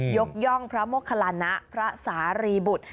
ยกย่องพระโมคลานะพระสารีบุตร